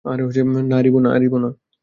না, আরিভু।